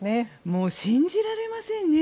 もう信じられませんね。